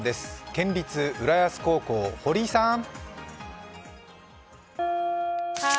県立浦安高等学校、堀井さん！